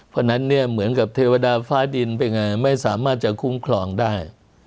เพราะฉะนั้นเนี่ยเหมือนกับเทวดาฟ้าดินเป็นไงไม่สามารถจะคุ้มครองได้